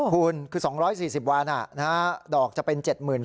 คุณคือ๒๔๐วันดอกจะเป็น๗๐๐